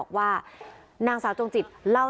สวัสดีครับ